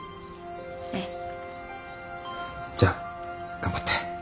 ええ。じゃあ頑張って。